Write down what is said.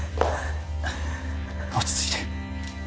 落ち着いて